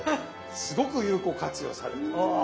すごく有効活用されてます。